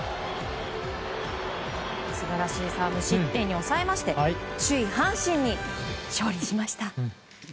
素晴らしい無失点に抑えまして首位、阪神に勝利しました。